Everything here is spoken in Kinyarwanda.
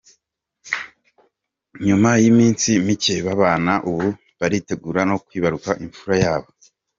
Nyuma y’iminsi micye babana, ubu baritegura no kwibaruka imfura yabo.